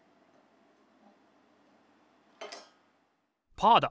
パーだ！